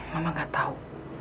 mama gak tahu